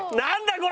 これ。